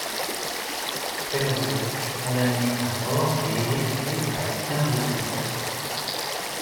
Penruddock fut condamné à mort et exécuté avec quinze de ses compagnons.